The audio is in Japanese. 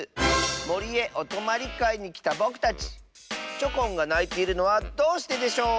もりへおとまりかいにきたぼくたちチョコンがないているのはどうしてでしょう？